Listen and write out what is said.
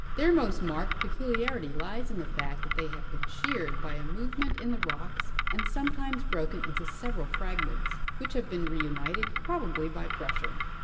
Their most marked peculiarity lies in the fact that they have been sheared by a movement in the rocks and sometimes broken into several fragments which have been reunited, probably by pressure.